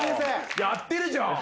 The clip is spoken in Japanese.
やってるじゃん。